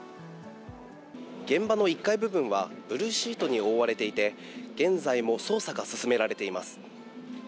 現場の１階部分はブルーシートに覆われていて現在も捜査が進められています。